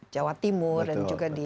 jawa timur dan juga di